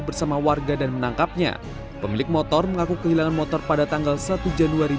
bersama warga dan menangkapnya pemilik motor mengaku kehilangan motor pada tanggal satu januari